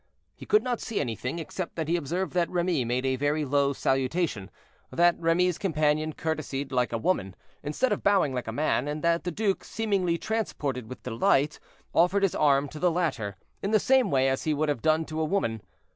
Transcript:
He could not see anything, except that he observed that Remy made a very low salutation, that Remy's companion courtesied like a woman, instead of bowing like a man, and that the duke, seemingly transported with delight, offered his arm to the latter, in the same way as he would have done to a woman.